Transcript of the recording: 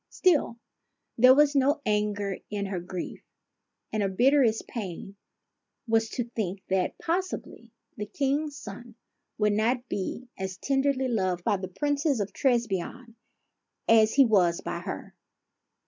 Still, there was no anger in her grief, and her bitterest pain was to think that possibly the King's son would not be as tenderly loved by the Princess of Trebizonde as he was by her.